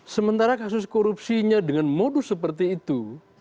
sementara kasus korupsinya dengan modus seperti itu